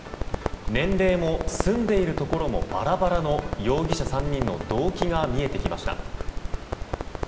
年齢も住んでいるところもバラバラの、容疑者３人の動機が見えてきました。